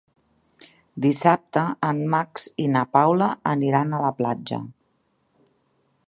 Dissabte en Max i na Paula aniran a la platja.